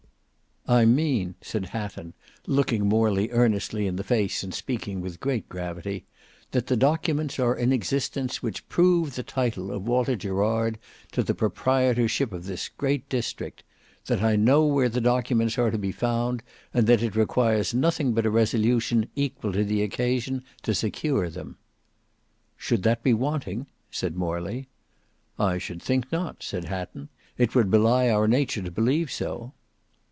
"I mean," said Hatton, looking Morley earnestly in the face and speaking with great gravity, "that the documents are in existence which prove the title of Walter Gerard to the proprietorship of this great district; that I know where the documents are to be found; and that it requires nothing but a resolution equal to the occasion to secure them." "Should that be wanting?" said Morley. "I should think not," said Hatton. "It would belie our nature to believe so."